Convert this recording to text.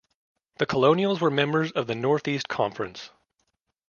The Colonials were members of the Northeast Conference.